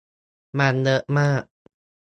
มันเยอะมาก